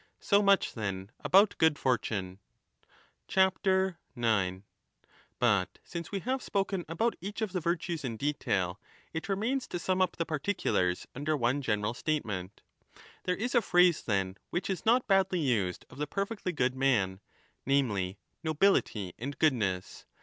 So much then about good fortune. 9 But since we have spoken about each of the virtues in detail, it remains to sum up the particulars under one 20 general statement. There is a phrase, then, which is not badly used of the perfectly good man, namely, * nobility and goodness.'